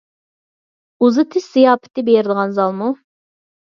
ئۇزىتىش زىياپىتى بېرىدىغان زالمۇ؟